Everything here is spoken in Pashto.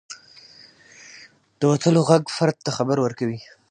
• د وتلو ږغ یو فرد ته خبر ورکوي.